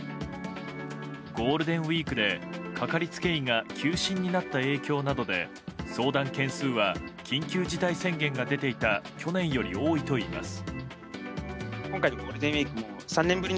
ゴールデンウィークでかかりつけ医が休診になった影響などで相談件数は緊急事態宣言が出ていた去年より多いといいます。